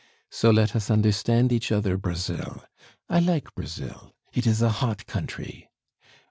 So let us understand each other, Brazil! I like Brazil, it is a hot country.